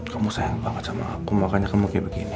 kamu sayang banget sama aku makanya kamu kayak begini